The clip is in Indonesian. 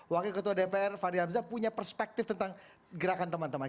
wakil ketua dpr fahri hamzah punya perspektif tentang gerakan teman teman